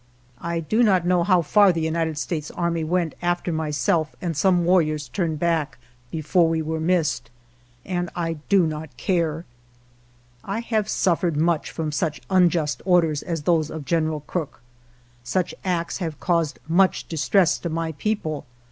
I do not know how far the United States army went after myself, and some warriors turned back be fore we were missed, and I do not care. I have suffered much from such unjust orders as those of General Crook. Such acts have caused much distress to my people.